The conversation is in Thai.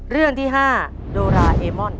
เรื่องที่๕โดราเอมอน